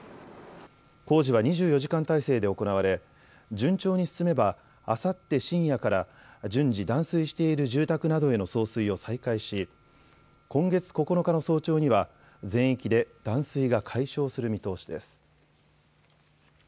工事は２４時間態勢で行われ順調に進めばあさって深夜から順次断水している住宅などへの送水を再開し今月９日の早朝には全域で断水が解消する見通しです。